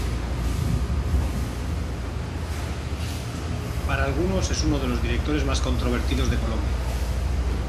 Para algunos es uno de los directores más controvertidos de Colombia.